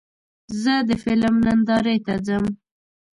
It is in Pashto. زه د فلم نندارې ته ځم.